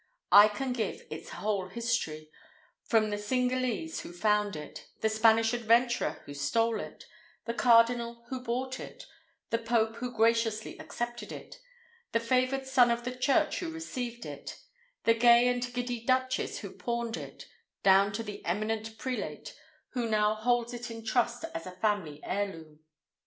I can give its whole history, from the Cingalese who found it, the Spanish adventurer who stole it, the cardinal who bought it, the Pope who graciously accepted it, the favored son of the Church who received it, the gay and giddy duchess who pawned it, down to the eminent prelate who now holds it in trust as a family heirloom.